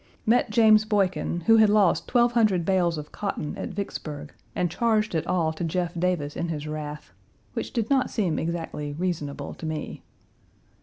Met James Boykin, who had lost 1,200 bales of cotton at Vicksburg, and charged it all to Jeff Davis in his wrath, which did not seem exactly reasonable to me.